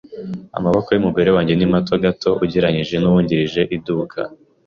Amaboko yumugore wanjye ni mato gato ugereranije nuwungirije iduka.